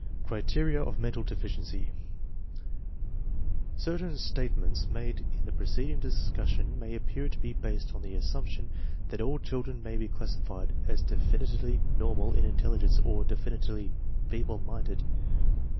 Criteria of mental deficiency. Certain statements made in the preceding discussion may appear to be based on the assumption that all children may be class ified as definitely normal in intelligence or definitely feeble minded.